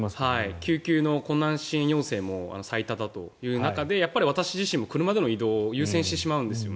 救急の困難支援要請も最多だという中で私自身も車での移動を優先してしまうんですよね。